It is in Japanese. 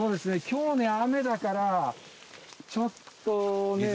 今日ね雨だからちょっとね